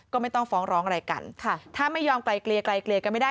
ก็ไม่ต้องฟ้องร้องอะไรกันถ้าไม่ยอมกล่ายเกลี่ยกล่ายเกลี่ยกันไม่ได้